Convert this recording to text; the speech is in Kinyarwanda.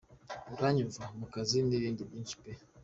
Uranyumva? Mu kazi n’ibindi byinshi pe!".